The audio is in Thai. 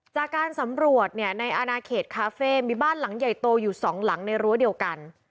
จากการสำรวจในอนาเขตคาเฟ่มีบ้านหลังใหญ่โตอยู่สองหลังในรั้วเดียวกัน